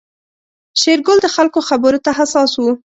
شېرګل د خلکو خبرو ته حساس و.